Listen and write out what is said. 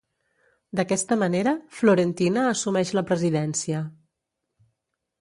D'aquesta manera, Florentyna assumeix la presidència.